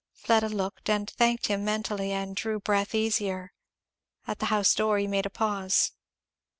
Fleda looked, and thanked him mentally, and drew breath easier. At the house door he made a pause.